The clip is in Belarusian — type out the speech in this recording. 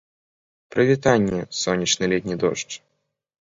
Прывітанне, сонечны летні дождж!